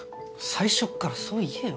最初からそう言えよ。